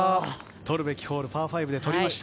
取るべきホールパー５で取りました。